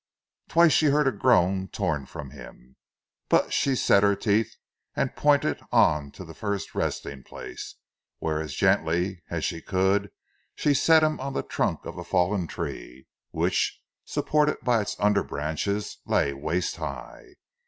Twice she heard a groan torn from him, but she set her teeth, and pointed on to the first resting place, where, as gently as she could, she set him on the trunk of a fallen tree which, supported by its under branches, lay waist high.